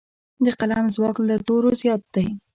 د قلم ځواک له تورو زیات دی.